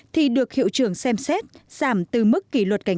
thì được hiệu trưởng xem xét giảm từ mức kỷ luật kết luận